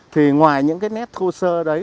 thì ngoài những nét khô sơ đấy